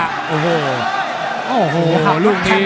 อ้าวโอ้โหลูกนี้